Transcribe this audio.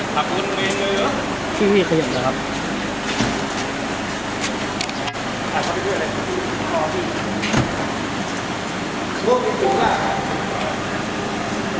สวัสดีครับพระบุญมือ